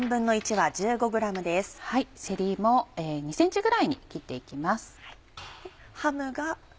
せりも２ｃｍぐらいに切って行きます。